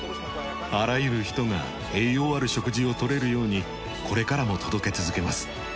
あらゆる人が栄養ある食事を取れるようにこれからも届け続けます。